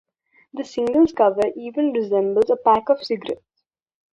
The single's cover even resembles a pack of cigarettes.